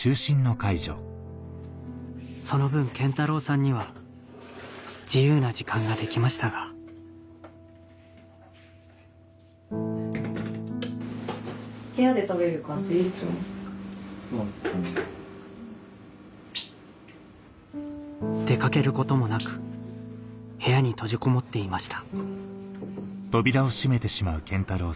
その分謙太郎さんには自由な時間ができましたが出掛けることもなく部屋に閉じこもっていました